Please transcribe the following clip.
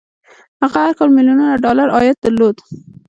هغه هر کال ميليونونه ډالر عايد درلود.